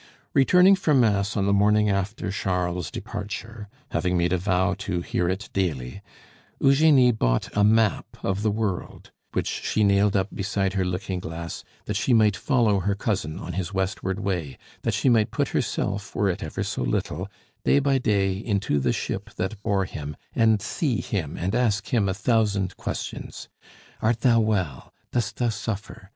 Returning from Mass on the morning after Charles's departure, having made a vow to hear it daily, Eugenie bought a map of the world, which she nailed up beside her looking glass, that she might follow her cousin on his westward way, that she might put herself, were it ever so little, day by day into the ship that bore him, and see him and ask him a thousand questions, "Art thou well? Dost thou suffer?